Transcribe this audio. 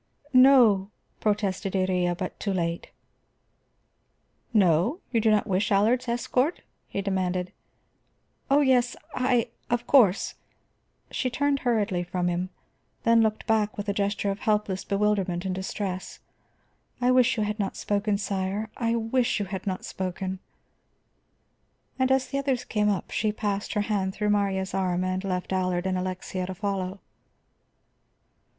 "No," protested Iría, but too late. "No? You do not wish Allard's escort?" he demanded. "Oh, yes, I of course." She turned hurriedly from him, then looked back with a gesture of helpless bewilderment and distress. "I wish you had not spoken, sire; I wish you had not spoken." And as the others came up, she passed her hand through Marya's arm and left Allard and Alexia to follow.